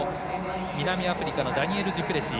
南アフリカのダニエル・デュプレシー。